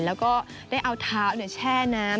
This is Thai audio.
แล้วก็ได้เอาเท้าแช่น้ำ